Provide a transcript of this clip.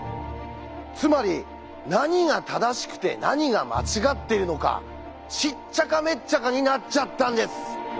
つまり何が正しくて何が間違っているのかしっちゃかめっちゃかになっちゃったんです！